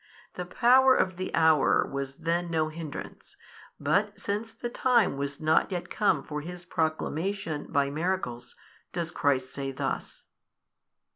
The power of the hour was then no hindrance, |532 but since the time was not yet come for His proclamation by miracles, does Christ say thus.